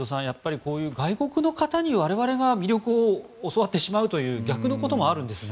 こういった外国の方に我々が魅力を教わってしまうという逆のこともあるんですね。